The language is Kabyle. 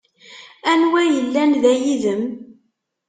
Anwa yellan da yid-m?